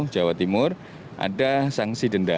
jawa timur ada sanksi denda